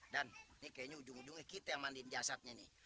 dan ini kayaknya ujung ujungnya kita yang mandiin jasadnya nih